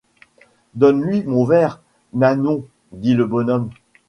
Donne-moi mon verre, Nanon ? dit le bonhomme.